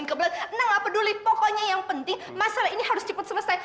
nah gak peduli pokoknya yang penting masalah ini harus cepet selesai